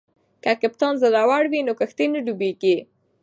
که کپتان زړور وي نو کښتۍ نه ډوبیږي.